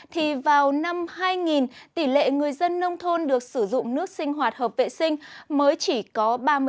thì vào năm hai nghìn tỷ lệ người dân nông thôn được sử dụng nước sinh hoạt hợp vệ sinh mới chỉ có ba mươi